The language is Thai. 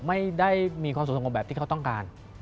ไม่ได้มีความสุขสงบแบบที่เขาต้องการ